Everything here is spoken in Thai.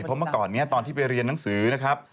เพราะเมื่อก่อนนี้ตอนที่ไปเรียนหนังสือนะครับ